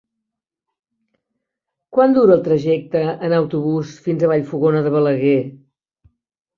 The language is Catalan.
Quant dura el trajecte en autobús fins a Vallfogona de Balaguer?